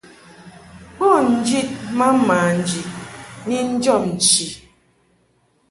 Bo njid ma manji ni njɔb nchi.